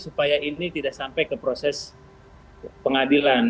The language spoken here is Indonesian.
supaya ini tidak sampai ke proses pengadilan